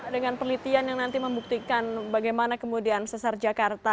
dengan penelitian yang nanti membuktikan bagaimana kemudian sesar jakarta